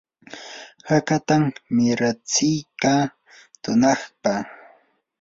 hakatam miratsiyka tunaypa.